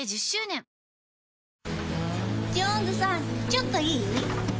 ちょっといい？